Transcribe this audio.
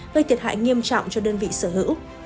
gây thiệt hại nghiêm trọng cho đơn vị sở hữu